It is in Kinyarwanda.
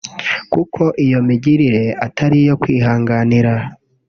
kuko iyo migirire atari iyo kwihanganira